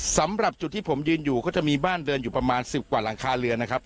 สำหรับจุดที่ผมยืนอยู่ก็จะมีบ้านเดินอยู่ประมาณ๑๐กว่าหลังคาเรือนนะครับ